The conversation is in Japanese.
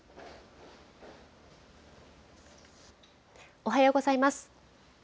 おはようございます。